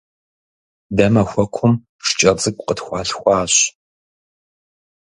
Дэ махуэкум шкӀэ цӀыкӀу къытхуалъхуащ.